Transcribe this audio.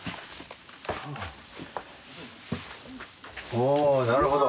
おなるほど。